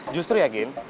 justru ya gen